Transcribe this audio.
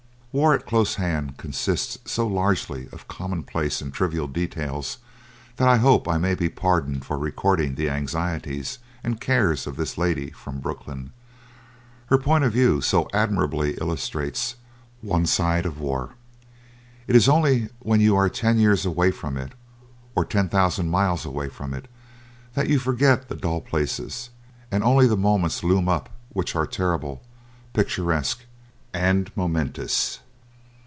War close at hand consists so largely of commonplaces and trivial details that I hope I may be pardoned for recording the anxieties and cares of this lady from Brooklyn. Her point of view so admirably illustrates one side of war. It is only when you are ten years away from it, or ten thousand miles away from it, that you forget the dull places, and only the moments loom up which are terrible, picturesque, and momentous.